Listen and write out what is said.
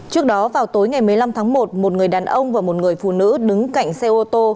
trước đó vào tối ngày một mươi năm tháng một một người đàn ông và một người phụ nữ đứng cạnh xe ô tô